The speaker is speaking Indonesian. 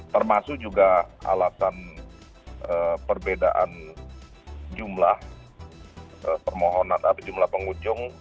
termasuk juga alasan perbedaan jumlah permohonan jumlah pengunjung